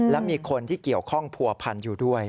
และมีคนที่เกี่ยวข้องผัวพันอยู่ด้วย